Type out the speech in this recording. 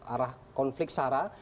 arah konflik sarah